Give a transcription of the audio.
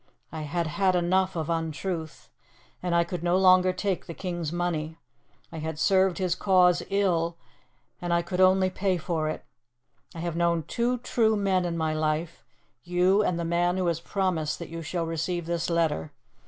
I had had enough of untruth, and I could no longer take the king's money; I had served his cause ill, and I could only pay for it. I have known two true men in my life you and the man who has promised that you shall receive this letter.